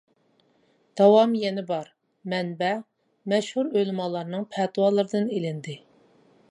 داۋامى يەنە بار. مەنبە :مەشھۇر ئۆلىمالارنىڭ پەتىۋالىرىدىن ئېلىندى.